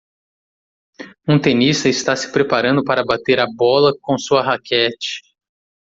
Um tenista está se preparando para bater a bola com sua raquete